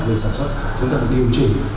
về sản xuất chúng ta phải điều chỉnh